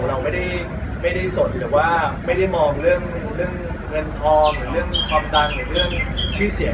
เราไม่ได้สดหรือว่าไม่ได้มองเรื่องเงินทองหรือเรื่องความดังหรือเรื่องชื่อเสียง